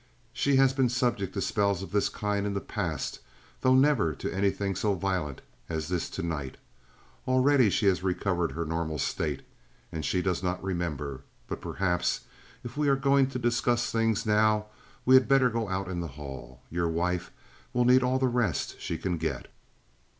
She has been subject to spells of this kind in the past, though never to anything so violent as this to night. Already she has recovered her normal state, and she does not remember. But, perhaps, if we are going to discuss things now we had better go out in the hall. Your wife will need all the rest she can get."